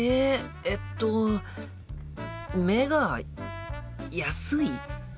えっと目が安い？